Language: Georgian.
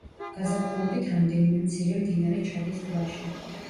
გაზაფხულობით რამდენიმე მცირე მდინარე ჩადის ტბაში.